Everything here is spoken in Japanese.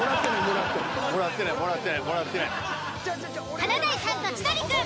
「華大さんと千鳥くん」